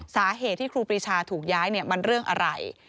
สาเหตุที่ครูปรีชาถูกย้ายมันเรื่องอะไร